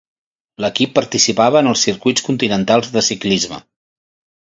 L'equip participava en els Circuits continentals de ciclisme.